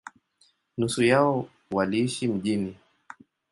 Nusu yao waliishi mjini.